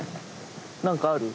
何かある？」